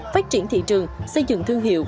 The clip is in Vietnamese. phát triển thị trường xây dựng thương hiệu